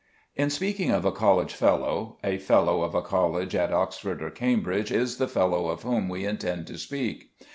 In speaking of a college fellow, a fellow of a college at Oxford or Cambridge is the fellow of whom we intend to speak.